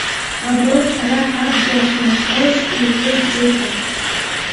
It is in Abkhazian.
Аброуп ҳара ҳаб дахьынхоз, — иҳәоит Џьота.